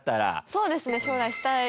そうですね。